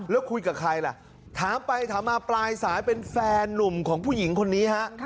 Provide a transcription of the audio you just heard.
แล้วคุยกับใครล่ะถามไปถามมาปลายสายเป็นแฟนนุ่มของผู้หญิงคนนี้ฮะ